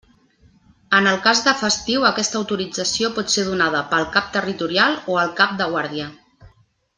En el cas de festiu aquesta autorització pot ser donada pel cap territorial o el cap de guàrdia.